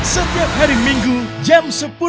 setiap hari minggu jam sepuluh